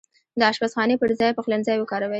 د اشپزخانې پرځاي پخلنځای وکاروئ